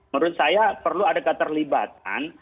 menurut saya perlu ada keterlibatan